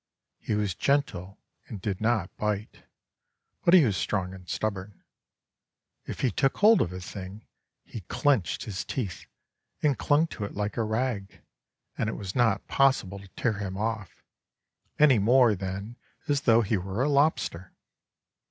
He was gentle and did not bite, but he was strong and stubborn. If he took hold of a thing, he clenched his teeth and clung to it like a rag, and it was not possible to tear him off, any more than as though he were a lobster.